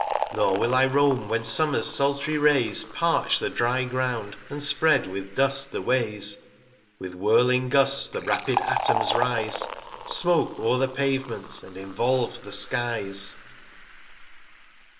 Nor will I roam, when Summer's sultry Rays Parch the dry Ground, and spread with Dust the Ways ; With whirling Gusts, the rapid Atoms rise, 195 Smoak o'er the Pavement, and involve the Skies.